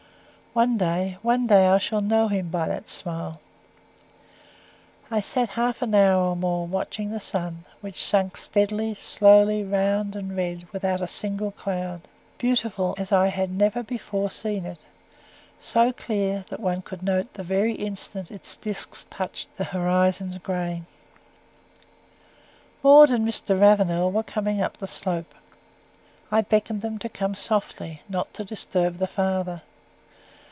One day one day I shall know him by that smile! I sat half an hour or more watching the sun, which sank steadily, slowly, round, and red, without a single cloud. Beautiful, as I had never before seen it; so clear, that one could note the very instant its disc touched the horizon's grey. Maud and Mr. Ravenel were coming up the slope. I beckoned them to come softly, not to disturb the father.